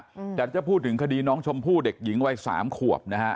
อืมแต่ถ้าพูดถึงคดีน้องชมพู่เด็กหญิงวัยสามขวบนะฮะ